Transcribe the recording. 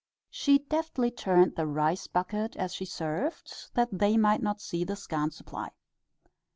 She deftly turned the rice bucket as she served, that they might not see the scant supply.